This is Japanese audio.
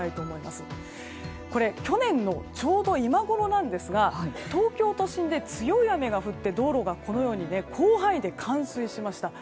去年のちょうど今ごろなんですが東京都心で強い雨が降って道路が広範囲で冠水しました。